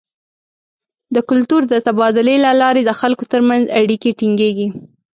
د کلتور د تبادلې له لارې د خلکو تر منځ اړیکې ټینګیږي.